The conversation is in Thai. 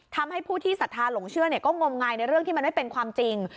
ทำให้ผู้ที่ศรัทธาหลงเชื่อก็งมงายในเรื่องที่มันไม่เป็นความจริง